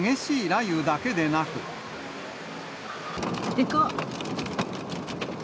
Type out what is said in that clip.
でかっ。